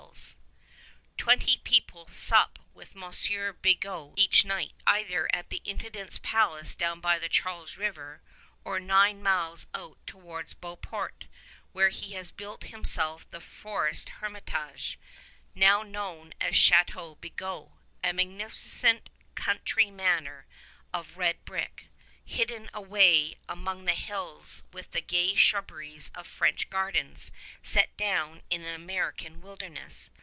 [Illustration: RUINS OF CHÂTEAU BIGOT] Twenty people sup with Monsieur Bigot each night, either at the Intendant's palace down by Charles River, or nine miles out towards Beauport, where he has built himself the Forest Hermitage, now known as Château Bigot, a magnificent country manor house of red brick, hidden away among the hills with the gay shrubberies of French gardens set down in an American wilderness.